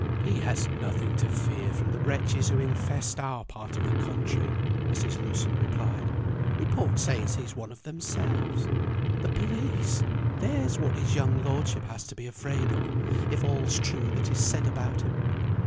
"He has nothing to fear from the wretches who infest our part of the country," Mrs. Lewson replied. "Report says he's one of themselves. The police there's what his young lordship has to be afraid of, if all's true that is said about him.